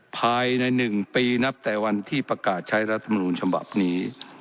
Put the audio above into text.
ภายใน๑ปีนับแต่วันที่ประกาศใช้รัฐมนูลฉบับนี้